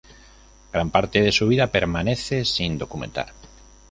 Gran parte de su vida permanece sin documentar.